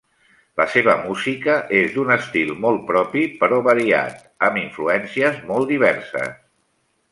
La seva música és d’un estil molt propi però variat, amb influències molt diverses.